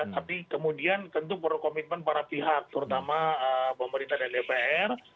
tapi kemudian tentu perlu komitmen para pihak terutama pemerintah dan dpr